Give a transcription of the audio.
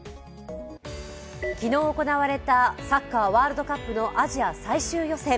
昨日行われたサッカーワールドカップのアジア最終予選。